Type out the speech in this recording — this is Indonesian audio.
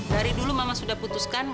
dari dulu mama sudah putuskan